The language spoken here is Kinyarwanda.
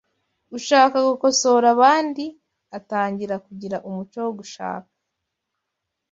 Ushaka gukosora abandi atangira kugira umuco wo gushaka